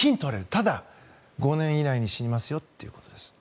ただ、５年以内に死にますよってことです。